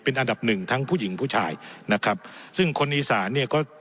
เป็นอันดับหนึ่งทั้งผู้หญิงผู้ชายนะครับซึ่งคนอีสานเนี่ยก็